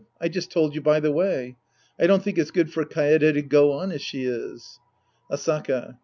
I just told you by. the way. I don't think it's good for Kaede to go on as she is. Asaka.